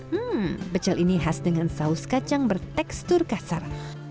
hmm pecel ini khas dengan saus kacang bertekstur kasar